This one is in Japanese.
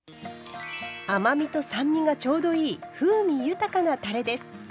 甘みと酸味がちょうどいい風味豊かなたれです。